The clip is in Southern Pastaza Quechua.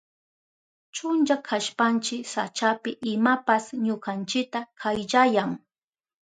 Chunlla kashpanchi sachapi imapas ñukanchita kayllayan.